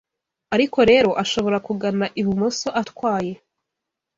ariko rero ashobora kugana ibumoso atwaye